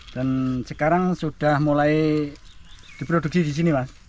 dan sekarang sudah mulai diproduksi di sini mas